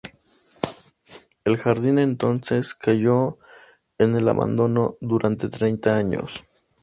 El jardín entonces cayó en el abandono durante treinta años.